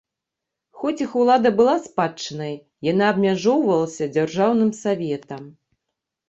Хоць іх улада была спадчыннай, яна абмяжоўвалася дзяржаўным саветам.